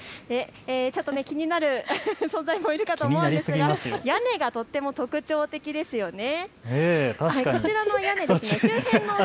ちょっと気になる存在もいるかと思いますが、屋根がとっても特徴的ですよね。